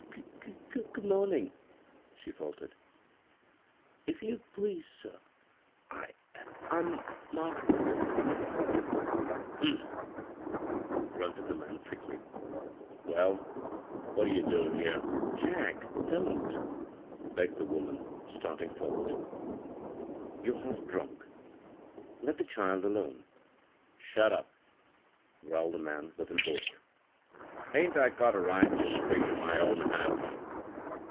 " G good moming," she faltered. " If you please, sir, I — I'm Margaret" " Humph 1 " grunted the man thickly. "Well, what ye doin' here?" " Jack, don't I " begged the woman, start ing forward. "You're half drunk — let the child alone." " Shut up I " growled the man with an oath. " Hain't I got a right ter speak in my own house?